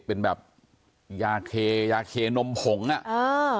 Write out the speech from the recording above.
เป็นแบบยาเคยาเคนมผงอ่ะอ่า